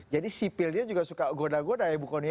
jadi sipilnya juga suka goda goda ya bu kony